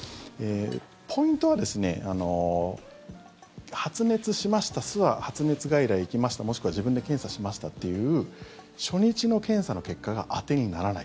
ポイントは、発熱しましたすわ発熱外来行きましたもしくは自分で検査しましたっていう初日の検査の結果が当てにならない。